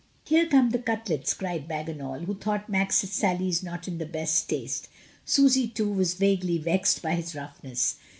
"Here come the cutlets," cried Bagginal, who thought Max's sallies not in the best taste. Susy, too, was vaguely vexed by his roughness.